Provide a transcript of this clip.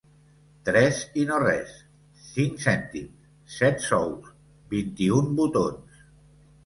Tres i no res, cinc cèntims, set sous, vint-i-un botons.